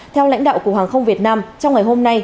theo lãnh đạo cục hàng không việt nam trong ngày hôm nay